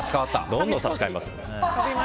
どんどん差し替えましょう。